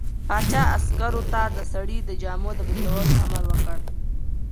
پاچا عسکرو ته د سړي د جامو د بدلولو امر وکړ.